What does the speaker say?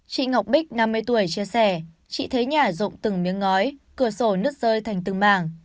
chị ngọc bích năm mươi tuổi chia sẻ chị thấy nhả rộng từng miếng ngói cửa sổ nứt rơi thành từng mảng